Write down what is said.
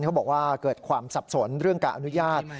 เขาบอกว่าเกิดความสับสนเรื่องการอนุญาต